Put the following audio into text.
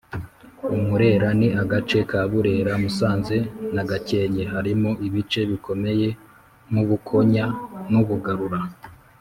Umurera Ni agace ka Burera, Musanze na Gakenke (harimo ibice bikomeye nk’Ubukonya n’Ubugarura).